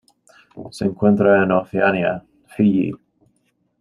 Se encuentra en Oceanía: Fiyi.